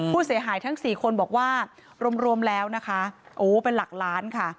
ผู้เสียหายทั้ง๔คนบอกว่ารวมรวมแล้วนะคะโอ้เป็นหลักล้านค่ะ